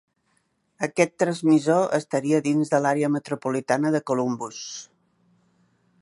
Aquest transmissor estaria dins de l'àrea metropolitana de Columbus.